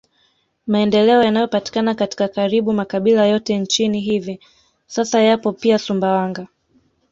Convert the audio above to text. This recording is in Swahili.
Maendeleo yanayopatikana katika karibu makabila yote nchini hivi sasa yapo pia Sumbawanga